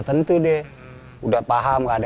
yang tidak memiliki garasi